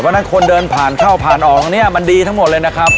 เพราะฉะนั้นคนเดินผ่านเข้าผ่านออกเนี่ยมันดีทั้งหมดเลยนะครับ